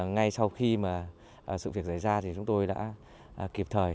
ngay sau khi sự việc giải ra thì chúng tôi đã kịp thời